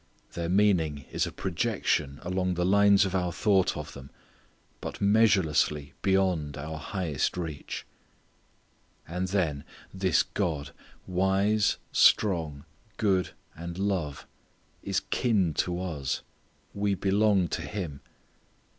Their meaning is a projection along the lines of our thought of them, but measurelessly beyond our highest reach. And then, this God, wise, strong, good, and love, is kin to us. We belong to Him.